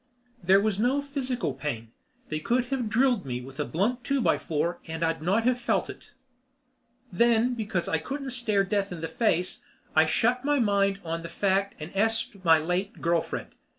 There was no physical pain. They could have drilled me with a blunt two by four and I'd not have felt it. Then because I couldn't stare Death in the face, I shut my mind on the fact and esped my late girl friend.